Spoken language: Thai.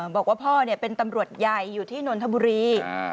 บอกว่าพ่อเป็นตำรวจใหญ่อยู่ที่นนทบุรี